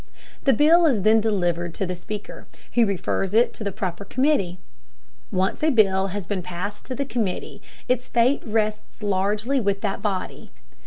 The bill is then delivered to the Speaker, who refers it to the proper committee. Once a bill has been passed to the committee its fate rests largely with that body.